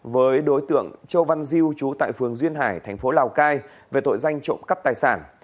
với đối tượng châu văn diêu chú tại phường duyên hải thành phố lào cai về tội danh trộm cắp tài sản